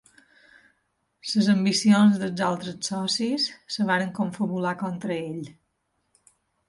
Les ambicions dels altres socis es van confabular contra ell.